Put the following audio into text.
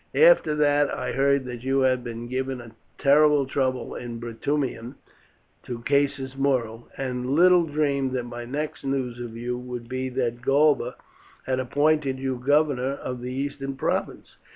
After that I heard that you had been giving terrible trouble in Bruttium to Caius Muro, and little dreamed that my next news of you would be that Galba had appointed you Governor of the Eastern Province."